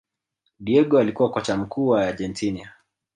Diego alikuwa kocha mkuu wa Argentina